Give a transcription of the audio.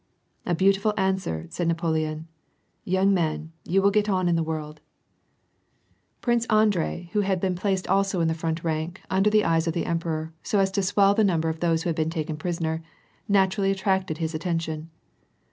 " A beautiful answer," said Napoleon. " Young man, you will get on in the world." Y 368 WAR AND PEACE. Prince Andrei who had been placed also in the front rank, under the eyes of the emperor, so as to swell the number of those who had been taken prisoner, naturally attracted his attention.